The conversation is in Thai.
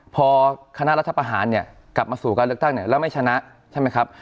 พอคณะรัฐภาษฐ์ประหาญเนี่ยกลับมาสู่การเลือกตั้งเนี่ยแล้วไม่ชนะ